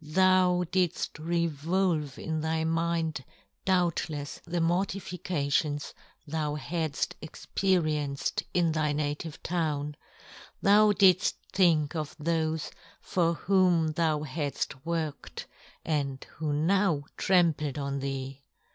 Thou didft re volve in thy mind, doubtlefs, the mor tifications thou hadft experienced in thy native town, thou didft think of thofe for whom thou hadft worked, and who now trampled on thee